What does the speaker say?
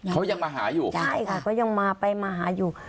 เขายังมาหาอยู่ใช่ค่ะก็ยังมาไปมาหาอยู่